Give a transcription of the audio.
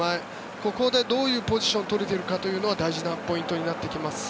ここでどういうポジションを取れているかが大事なポイントになってきます。